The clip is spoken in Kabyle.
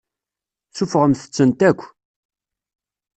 Suffɣemt-tent akk.